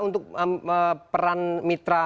untuk peran mitra mitra